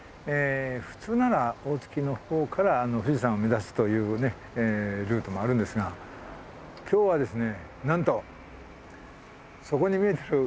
普通なら大月のほうから富士山を目指すというルートもあるんですが今日はですね